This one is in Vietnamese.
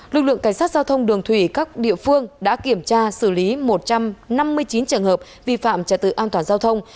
lực lượng cảnh sát giao thông đường thủy các địa phương đã kiểm tra xử lý một trăm năm mươi chín trường hợp vi phạm trật tự an toàn giao thông